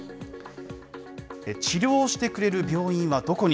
治療してくれる病院はどこに？